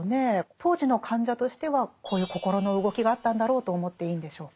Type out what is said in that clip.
当時の患者としてはこういう心の動きがあったんだろうと思っていいんでしょうか。